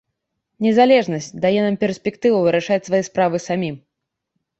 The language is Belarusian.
Незалежнасць дае нам перспектыву вырашаць свае справы самім.